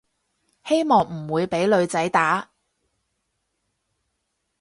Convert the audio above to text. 希望唔會畀女仔打